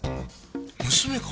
娘か。